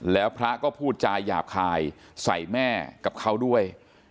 แล้วพระก็พูดจาหยาบคายใส่แม่กับเขาด้วย